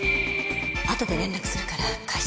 あとで連絡するから会社で待ってて。